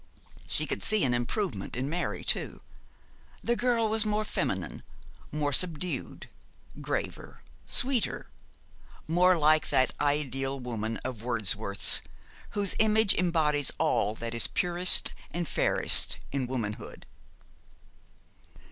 She could see an improvement in Mary, too. The girl was more feminine, more subdued, graver, sweeter; more like that ideal woman of Wordsworth's, whose image embodies all that is purest and fairest in womanhood.